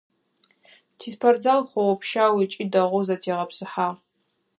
Тиспортзал хъоопщау ыкӏи дэгъоу зэтегъэпсыхьагъ.